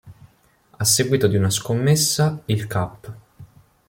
A seguito di una scommessa, il Cap.